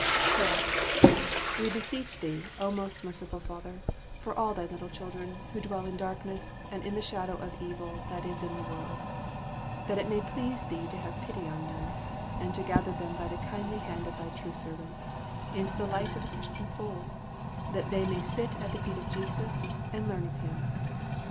PRAYER We beseech Thee, O most merciful Father, for all Thy little children who dwell in darkness and in the shadow of evil that is in the world; that it may please Thee to have pity on them, and to gather them by the kindly hand of Thy true servants, into the light of the Christian fold, that they may sit at the feet of Jesus and learn of Him.